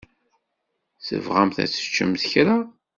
Tebɣamt ad teččemt kra?